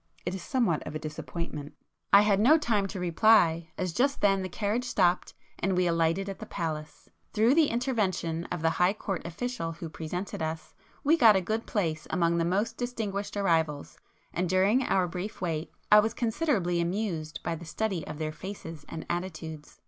It is somewhat of a disappointment." I had no time to reply, as just then the carriage stopped, and we alighted at the palace. Through the intervention of the high Court official who presented us, we got a good place among the most distinguished arrivals, and during our brief wait, I was considerably amused by the study of their faces and attitudes.